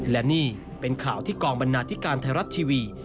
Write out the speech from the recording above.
และนี่เป็นข่าวที่กองบรรณาธิการไทยรัฐทีวี